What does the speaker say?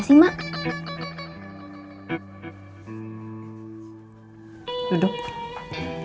kalau ngepak lalu pindah ke wdm